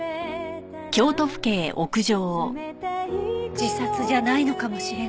自殺じゃないのかもしれない。